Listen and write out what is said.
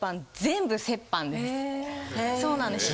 そうなんです。